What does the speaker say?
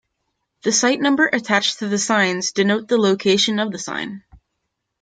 The site number attached to the signs denote the location of the sign.